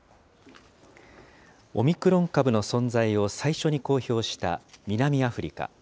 オミクロン株の存在を最初に公表した南アフリカ。